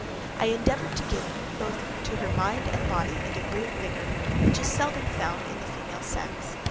"I endeavoured to give both to her mind and body a degree of vigour, which is seldom found in the female sex.